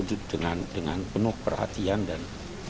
dengan penuh perhatian dan